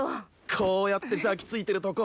こうやって抱きついてるとこ！